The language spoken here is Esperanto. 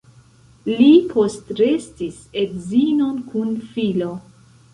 Li postrestis edzinon kun filo.